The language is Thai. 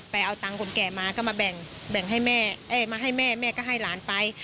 ก็เอาตังค์คนแก่มาก็มาให้แม่แม่ก็ให้หลานไป